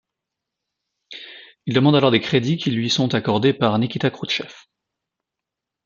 Il demande alors des crédits, qui lui sont accordés par Nikita Khrouchtchev.